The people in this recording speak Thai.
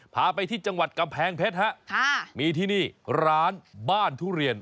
พาไปที่จังหวัดกำแพงเพชรฮะค่ะมีที่นี่ร้านบ้านทุเรียน